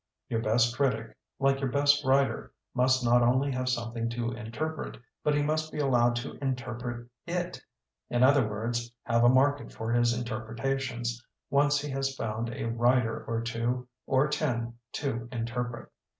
Your best critic, like your best writer, must not only have something to interpret, but he must be allowed to interpret it; in other words, have a market for his interpretations, once he has found a writer or two or ten to interpret.